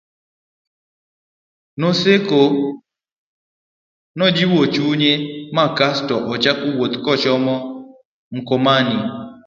Naseko nojiwo chunye ma kasto ochako wuoth kochomo Mkomani